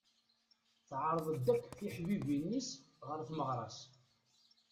Teɛreḍ-d akk tiḥbibin-is ɣer tmeɣra-s.